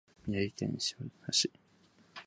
宮城県塩竈市